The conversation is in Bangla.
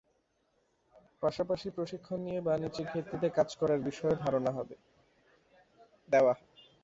পাশাপাশি প্রশিক্ষণ নিয়ে বাণিজ্যিক ভিত্তিতে কাজ করার বিষয়েও ধারণা দেওয়া হবে।